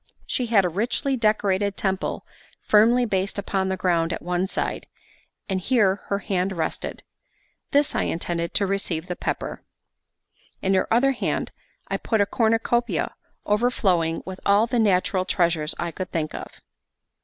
She had a richly decorated temple firmly based upon the ground at one side; and here her hand rested. This I intended to receive the pepper. In her other hand I put a cornucopia, overflowing with all the natural treasures I could think of.